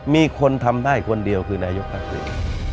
มีคนทำได้คนเดียวคือนายกภาคอื่น